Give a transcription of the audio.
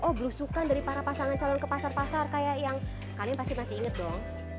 oh belusukan dari para pasangan calon ke pasar pasar kayak yang kami pasti masih inget dong